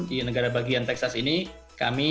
di negara bagian texas ini kami